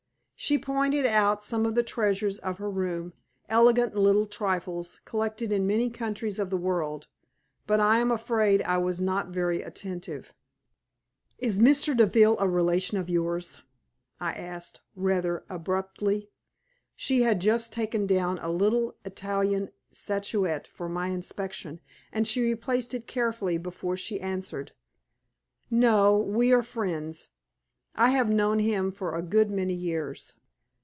She pointed out some of the treasures of her room, elegant little trifles, collected in many countries of the world, but I am afraid I was not very attentive. "Is Mr. Deville a relation of yours?" I asked, rather abruptly. She had just taken down a little Italian statuette for my inspection, and she replaced it carefully before she answered. "No. We are friends. I have known him for a good many years."